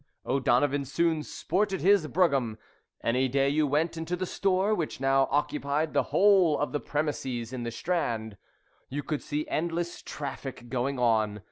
O'Donovan soon sported his brougham. Any day you went into the store (which now occupied the whole of the premises in the Strand) you could see endless traffic going on.